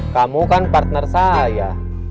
kamu kan partner saya